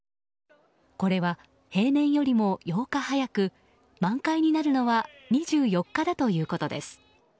これは平年より８日早く満開になるのは２４日だということです。